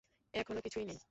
এখনো কিছুই নেই।